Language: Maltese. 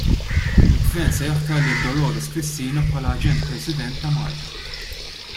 Il-Gvern se jaħtar lil Dolores Cristina bħala Aġent President ta' Malta.